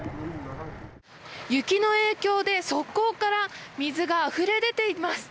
雪の影響で側溝から水があふれ出ています。